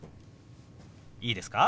いいですか？